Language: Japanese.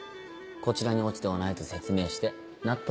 こちらに落ち度はないと説明して納得させた上で。